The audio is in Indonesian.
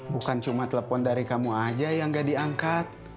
bukan cuma telepon dari kamu aja yang gak diangkat